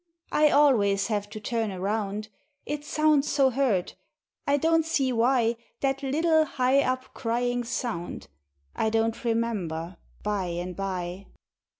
I always have to turn around; It sounds so hurt I don't see why That little high up crying sound I don't remember by and by.